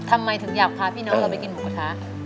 ทำไมถึงอยากพาพี่น้องเราไปกินหมูกระทะ